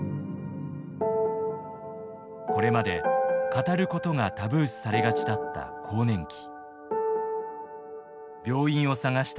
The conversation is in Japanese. これまで語ることがタブー視されがちだった更年期。